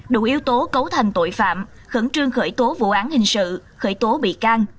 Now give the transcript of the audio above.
đủ yếu tố cấu thành tội phạm khẩn trương khởi tố vụ án hình sự khởi tố bị can